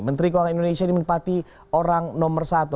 menteri keuangan indonesia ini menempati orang nomor satu